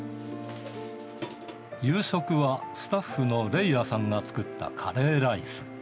夕食はスタッフのれいあさんが作ったカレーライス。